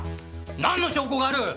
なんの証拠がある！